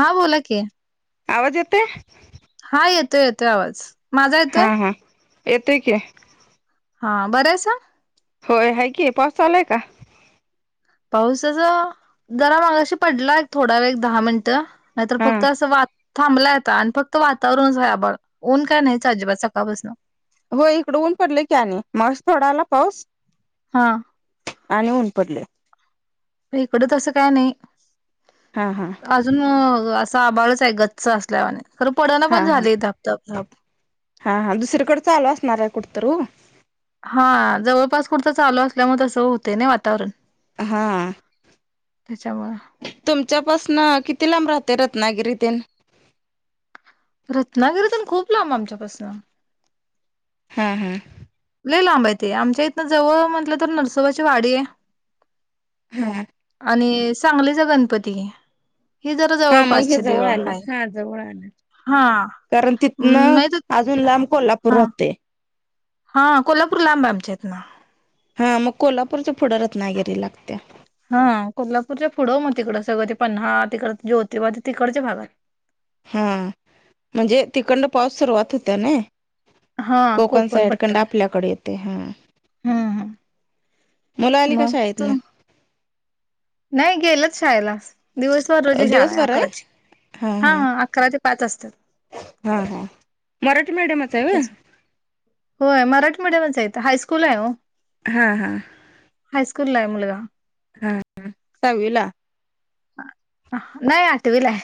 हा बोला की आवाज येतोय हा येतोय येतोय आवाज. माझा हा येतोय? हा येतोय की. हा बरं आहे सा होय आहे की. उपास चालाय का? पाऊसाच जरा मागाशी पडला एक थोडा वेळ एक दहा मिनिटं नाहीतर हा फक्त असं वा थांबलाय आता आणि फक्त वातावरणच हाय आभाळ, ऊन काय नाहीच अजिबात सकाळपासन. हो इकड ऊन पडलय की आणि मगाशी थोडा आला पाऊस हा आणि ऊन पडले इकड त असं काय नाही. हा हा अजून अस आभाळच आहे गच्च असल्यावाणी हा हा हा हा दुसरीकडे चालू असणार आहे कुठ तर हो हा जवळपास कुठतंरी चालू असल्यामुळे तसं होतय नाही वातावरण. हा त्याच्यामुळे तुमच्यापासन किती लांब राह ते रत्नागिरीतीन रत्नागिरीतर खूप लांब आमच्यापासन हा हम् ल लांबा य ते आमच्या इथनं जवळ म्हटलं तर नरसोबाची वाडी आहे. हा आणि सांगलीचा गणपती. हेि जरा जवळ हा मग पाच हे सहा जवळ देव आलं आहेा. हा जवळ आलं. हा कारण तिथनं नाही तर अजून लांब कोल्हापूर हा. राहतंय. हा कोल्हापूर लांब आमच्या आहेत ना. हा मग कोल्हापूरच्या पुढ रत्नागिरी लागत्या. हा कोल्हापूरच्या पुढं मग तिकडं सगळं ते पन्हाळा तिकड जोतिबा ते तिकडच्या भागात. हा म्हणजे तखंड पाऊस सुरुवात होत्या ना. हा कोकण पट्टा साइडकंड आपल्याकडे येते हा. हम्म हम्म मुला आली का मग शाळेत तू न. नाही गेलच शाळेला दिवसभर अ, रोजी शाळा दिवसभर आहे आकराची. हा हा अकरा ते पाच असतात. हा हा मराठी मीडिम. त्या होय मराठी मडियमच इथं हायस्कूल आहे हो. हा हा! हायस्कूल आहे मुलगा. हा ह दहावी ला. नाही आठ विलाय.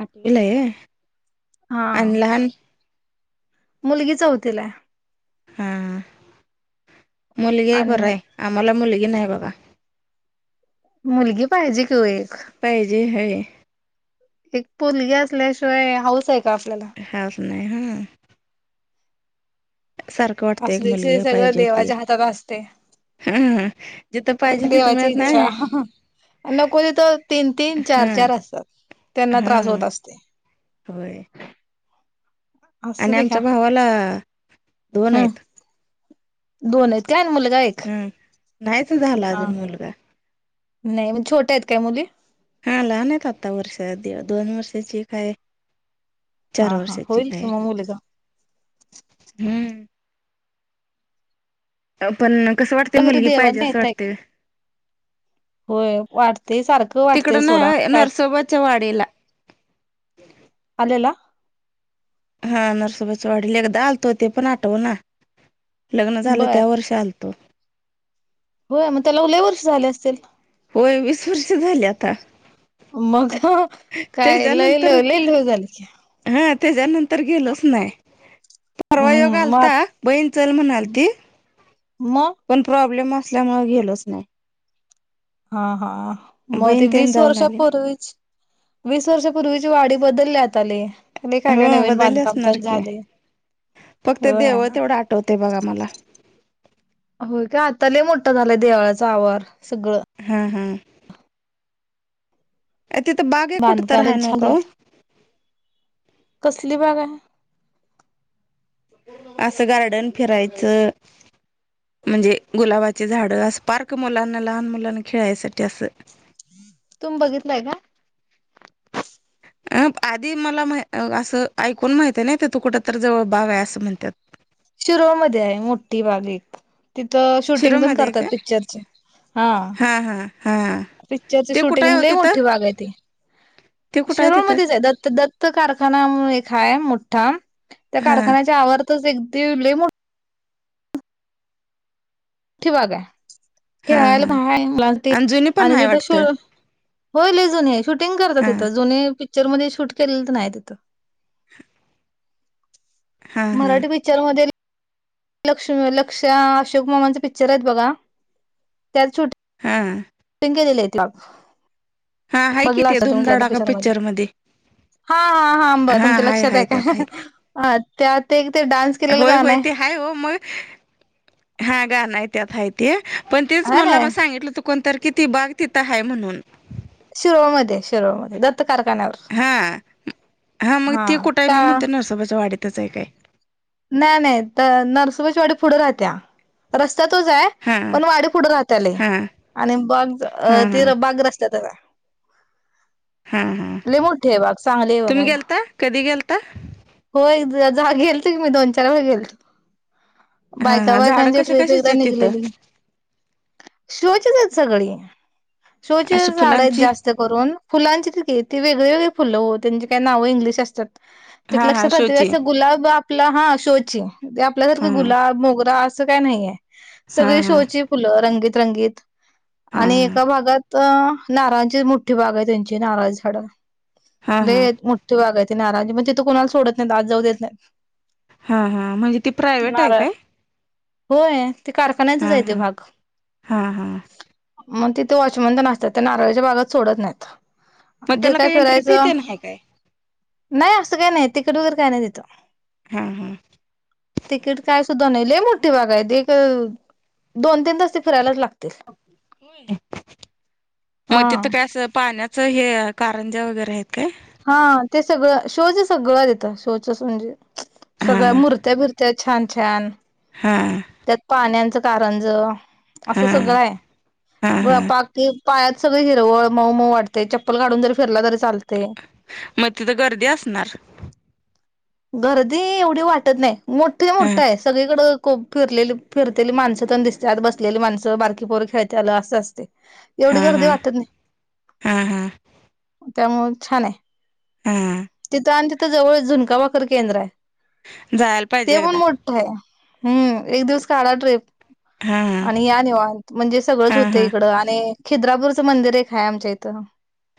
आठवीलाय हा आणि लहान. मुलगी चौवतीला हा मुलगी आहे बर आणि आहे आम्हाला मुलगी नाही बघा. मुलगी पाहिजे कि ओ एक. पाहिजे [unintelligible] एक पोलगी असल्याशिवाय हाऊस आहे का आपल्याला. हाच नाही हा सारखं वाटतं अस एक ज मुलगी सगळं पाहिजे होती देवाच्या हातात असते. हा जिथं पाहिजे तिथं देवाची मिळत इच्छा. नाही नको तिथं तर तीन तीन चार हा चार असतात त्यांना हा त्रास होत असते. होय. असू आणि दे घ्या आमच्या भावाला दोन हम्म आइत. दोन आईत काय आणि मुलगा एक? नाही च झालं हा अजून मुलगा नाही म छोट्या आईत काय मुली? हा लहान आहेत आता वर्षा दी दोन वर्षाची एक हाय. चार हा हा वर्षाची होईल एक कि हाय मग मुलगा हम्म अ पण कसं वाटते घरी मुलगी पाहिजे देवाला असं नेताय वाटते. होय वाटतेय सारखं तिकड वाटतेय सोडा नाही कायच् नरसोबाच्या वाडीला. आलेला हा नरसोबाच्या वाडीला एकदा आलतो ते पण आठवना लग्न झालं बर त्या वर्ष आलतो. होय मग त्याला लय वर्ष झाले असतील? [unintelligible] वीस वर्ष झाले आता मग काय लईल त्याच्यानंतर लई [unintelligible] झालत की त्यज्यानंतर गेलोच नाय, परवा योग हम्म मग आलता बहीण चल म्हणालती मग पण प्रॉब्लेम असल्यामुळे गेलोच नाय. हा हा मग बहीण ते तेन वीस जाऊन आली वर्षापूर्वीच वीस वर्षापूर्वीची वाडी बदलली आता लई [unintelligible] काय काय हो नवीन बदलली बांधकाम असणार तेन की. झाले फक्त वय देवळ तेवढं आठवते बघा मला होय काय आता लय मोठं झालाय देवाळाचा आवार सगळं अ ह तर आहे बांधकाम नव्ह का ओ [unintelligible] कसली बाग आय? असं गार्डन फिरायचं. म्हणजे गुलाबाचे झाड असं पार्क मुलांना लहान मुलांना खेळायसाठी असं [inaudible] तुम बघितलाय काय? अप आधी मला म्हाय अ असं ऐकून माहिताय नई, तिथं कुठं तर जवळ बाग आय असं म्हणत्यात शिरोळमध्ये आय मोठी बाग एक तिथं शूटिंग पण शिरोमध्ये करत्यात काय पिक्चरच हा हा हा पिक्चरची ते कुठं शूटिंग आहे हो लई तिथं मोठी बाग आय ती ते कुठं आहे तिथं शिरोळमध्येच आय दत्त दत्त कारखाना म्हणून एक हाय मोठा त्या हा कारखान्याच्या आवारातच एक [unintelligible] लई मो ठी बाग आय, हा खेळायला हा [unintelligible] मुलांते आणि जुनी पण आणि आहे तिथ शि वाटतं होय लई जुनी आय शूटिंग करता हा तिथं जुने पी चरमधे शूट केलेलं तेन आय तिथं हा हा मराठी पिक्चर मधे लक्ष लक्ष्या अशोक मामांच पिक्चर आहेत बघा त्यात शूट हा केलेलं [unintelligible] हा आहे कि बघला ते असता तुम्ही कुठल्या तर धुमधडाका पिचर मधि पिक्चर मध्ये हा हा हा आंब तुमच्या हाय लक्षात आय हाय त्यात काय हाय अ त्यात एक ते डान्स केलेलं होय गाणं होय आहे. ते हाय हो मग, हा गान आय त्यात हाय ते पण तेच हा ना मला म सांगितलंत कोणतर कि ती बाग तिथं हाय म्हणून शिरोळमध्ये शिरोळमध्ये दत्त कारखान्यावर हा हा मग ते कुठं आय? मी म्हणते नरसोबाच्या वाढतच हाय काय नाही नाही त नरसोबाचीवाडी पुढ राहत्या रस् ता तोच आय, हा पण वाडी पुढ राहत्या लई हा आणि बाग त अ हा हा ते बाग रस्त्यातच आय हा हा लई मोठी आय बाग, चांगली आय तुम्ही बघायला गेलता कधी गेलता होय [unintelligible] [unintelligible] गेलतो की मी दोन चार वे गेलतो. हा बायका हा झाडं बायकांची कशा ट्रिप कशाची एकदा आहेत तिथं निघलेली, शिवाची [unintelligible] सगळी शोचे अशी झाड आहेत फुलांची जास्त करून फुलांची [unintelligible] ती वेगळी वेगळी फुलं ओ, त्यांची काही नावं इंग्लिश असत्यात एक हा हा लक्षात राहत, शोची अस गुलाब आपला हा शो ची आपल्यासारका हा गुलाब, मोगरा असं काय नाहीय, हा सगळी हा शोची फुलं रंगीत रंगीत. हा हा आणि एका भागात नारळांची मोठी बाग आहे त्यांची नारळाची झाडं. हा ते हा हाय मोठठी बाग आहे ती नारळाची, म तिथं कुणाला सोडत नाहीत आत जाऊ देत नाहीत. हां हां, म्हणजे ती प्रायवेट हाय नारळ काय? होय. ते कारखान्याचच हा हाय ते हा भाग. हा हा मग तिथ वॉचमन तेन असत्यात त्या नारळीच्या बागत सोडत नाहीत. मग जे त्याला काय काही एंट्री फी करायचं? ते नाही काय नाही असं काय नाही, तिकिट वगैरे काय नाही तितं. हां हां. तिकीट काय सुद्धा नाही, लय मोठी बाग हाय ते एक अ दोन तीन तास ते फिरायलाच लागतील. हा. मग तिथं काय असं पाण्याचं हे कारंजा वगैरे आहेत काय? हा, ते सगळं शोचं सगळं हाय तिथं, शोचं असं म्हणजे हा सगळ्या मुर्त्या बिरत्या छान छान, हा त्यात पाण्याचं कारंजं असं हा सगळं आहे, हा व हा पाकी पाण्यात सगळं हिरवळ मऊ मऊ वाटते, चप्पल काढून जरी फिरला तरी चालतंय मग तिथं गर्दी असणार? गर्दी एवढी वाटत नाही, मोठ्ठच्या हा मोठ्ठं आहे सगळीकडं खूप फिरलेली फिरतेली माणसं पण दिसत्यात, बसलेली माणसं बारकी पोरं खेळतेलं असं असतंय. एवढी हा गर्दी हा वाटत नाही, हा हा त्यामुळं छान आहे. हा तिथं आणि तिथं जवळ झुणका भाकर केंद्र हाय. जायला ते पाहिजे पण एकदा मोठ्ठ हाय. हम्म, एक दिवस काढा ट्रिप हा हा आणि या निवांत, म्हणजे सगळंच हा होतंय हा इकडं आणि खिद्रापूरचं मंदिर एक हाय आमच्या इथं.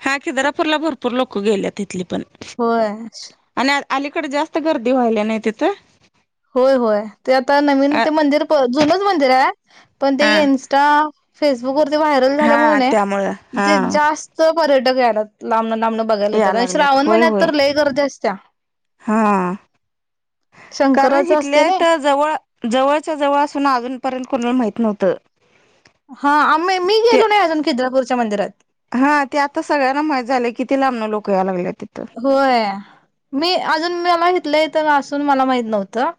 हा खिद्रापूरला भरपूर लोकं गेल्यात हिथली पण, होय आणि अलीकडे जास्त गर्दी व्हायल्या नाय तिथं? होय होय, ते आता नवीन अ, ते मंदिर जुनच मंदिर हाय, पण ते हा इन्स्टा फेसबुक वरती व्हायरल झाल्यामुळं हा नाय, त्यामुळं हा जे जास्त पर्यटक यायल्यात लांबणं लांबणं बघायला या येत्यात, आन लागल्यात श्रावण होय महिन्यात होय तर लय गर्दी असत्या. हा शंक कारण हिथल्या हिथ जवळ जवळच्या जवळ असून अजूनपर्यंत कोणाला माहित नव्हतं. हा, आम्ही मी ते गेलो नाई अजून खिद्रापूरच्या मंदिरात. हा ते आता सगळ्यांना माहित झालंय किती लामनं लोकं याय लागल्यात? व्हयअ मी अजून म मला ईथल्या ईथं असून मला माहित नव्हतं.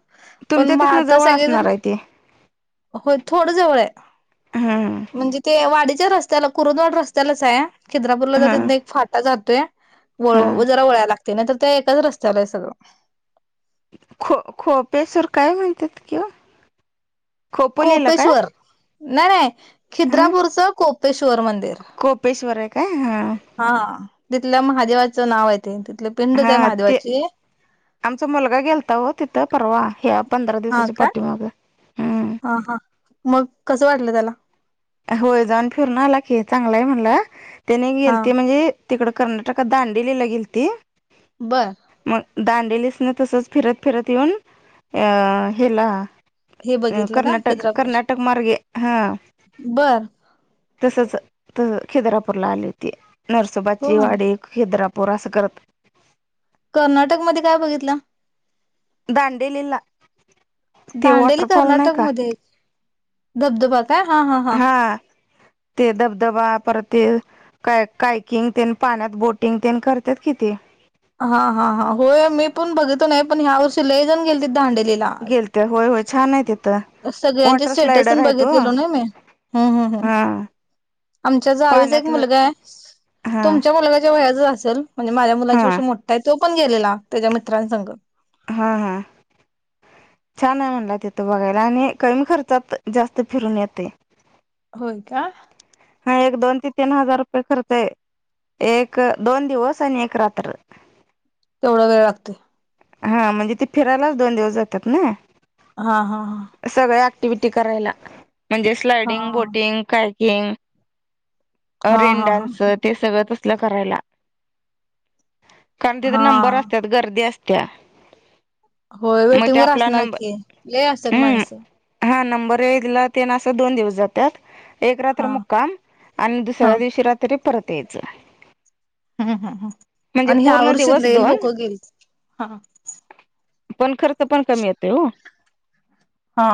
पण तुमच्या म तिथनं आता जवळ सगळेजण असणार आहे ते होय, थोडं जवळ हाय हा म्हणजे ते वाडीच्या रस् स्त्याला कुरुंदवाड रस्त्यालाच हाय, खिद्रापूरला हा जातान तिथन एक फाटा जातोय, हा वळू जरा वळाय लागतय. ते नाही तर त्या एकाच रस्त्याला हाय सगळं. खो, खोपेशवर काय म्हणत्यात किं ओ खोपोलीला काय? नाय नाय, हा खिद्रापूरचं कोपेश्वर मंदिर. कोपेश्वर आहे काय हा, तिथल्या महादेवाचं नाव हाय ते, तिथल पिंडच हाय हा ते महादेवाची आमचा मुलगा गेलता ओ तिथं, परवा ह्या पंधरा हा दिवसाच्या का पाठीमाग हम्म हा, हा, मग कस वाटलं त्याला? होय जाऊन फिरून आला की, चांगलाय म्हणला, त्याने हा गेलती म्हजे तिकड कर्नाटकात दांडेलीला गेलती बर. दांडेलीस ना तसच फिरत, फिरत येऊन, अ हेला हे अ बघितलं का कर्नाटक, खिद्रापूर कर्नाटक मार्गे हा. बर तसच, तस खिद्रापूरला आली ती. हो नरसोबाची वाडी, खिद्रापूर, असं करत. कर्नाटकमध्येध् काय बघितलं दांडेलीला ते दांडेली वॉटरफॉल नाही का कर्नाटकमध्ये आय किऽऽ दबदबाताय हा हा हा ते धबधबा,, पर ते काय कायकिंग,, तेन पाण्यात बोटिंग तेन करत्यातऽ किती, हा, हा, हा, होय मी पण बघतो नाही,, पण ह्या वर्षी लई जाऊन गेलेती त दांडेंली ला, गेलते होय होय छान आहे तिथं सगळ्यांचे वॉटर स्टेटस स्लायडर आहेत हो बघितलेलो नाइ मी. हम्, हम्, हम् हा आमच्या जावेचा एक पाण्यातलं मुलगा य हा तुमच्या मुलगाच्या वयाचाच असल,, म्हणजे माझ्या हा मुलांच्यापेक्ष मोठाऽऽ य,, तो पण गेलेला,, त्याच्या मित्रांसगऽऽ हा, हा, छान आहे म्हणला तीथ बघायला,, आणि कमी खर्चात जास्त फिरून येतेय. होय का? हा एक दोन ते तीन हजार रुपये खर्च य. एक,, दोन दिवस आणि एक रात्र. तेवढा वेळ लागते हा,, म्हणजे ते फिरायलाच दोन दिवस जातात नाई हा, हा, हा अॅक्टिव्हटी करायला,, म्हणजे हा हा स्लायडिंग, बोटिंग, कायकिंगऽ अ हा रेन हा हा डान्स ते ऽऽसगळं तसल करायला. कारण तिथ हा नंबर असत्यात गर्दी असत्या होय मग ते वेटिंग वर आपला असणार नंबर की लय असत्यात माणसं हम्म हा नंबर एक ला तेन असं दोन दिवस जात्यात एक रात्र हा मुक्काम आणि हा दुसऱ्या दिवशी रात्री परत यायचं हम् हम् ह म्हणजे आणि ह्या पूर्ण वर्षात दिवस लय दोन लोक गेली हा पण खर्च पण कमी येतोय हो हा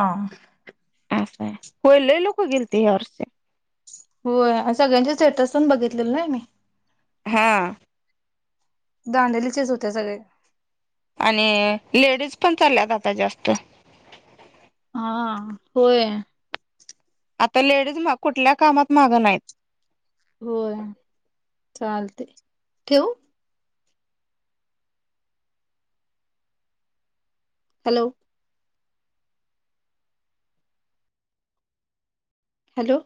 असाय होय लय लोक गेलती ह्या वर्षी व्हय सगळ्यांचे स्टेटस पण बघितलेलो नाही मी हा दांडेलीचेच होते सगळे आणि लेडीज पण चालल्यात आता जास्त हा होय आता लेडीज मग कुठल्या कामात मागं नाहीत होय चालतय ठेवू हॅलो हॅलो